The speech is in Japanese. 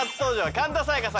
神田さん